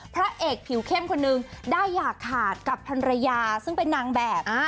พระเอกผิวเข้มคนนึงได้อยากขาดกับภรรยาซึ่งเป็นนางแบบ